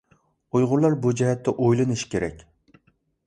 ئۇيغۇرلار بۇ جەھەتتە ئويلىنىشى كېرەك.